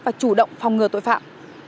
và chủ động phòng ngừa tội phạm